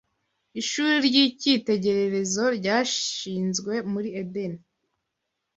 ishuri ry’icyitegererezo ryashinzwe muri Edeni